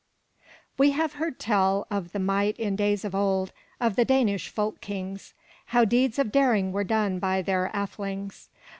We have heard tell of the might in days of old of the Danish folk kings, how deeds of daring were done by their athelings.